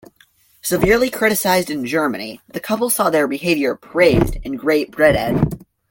Severely criticised in Germany, the couple saw their behaviour praised in Great Britain.